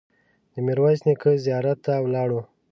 د میرویس نیکه زیارت ته ولاړو.